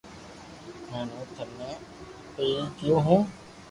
ھين ھون ٿني پيري ڪيو ھون